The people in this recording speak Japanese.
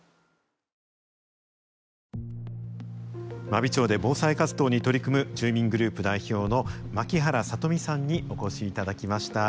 真備町で防災活動に取り組む住民グループ代表の槙原聡美さんにお越しいただきました。